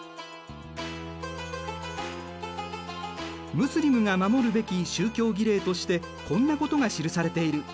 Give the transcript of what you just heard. ムスリムが守るべき宗教儀礼としてこんなことが記されている。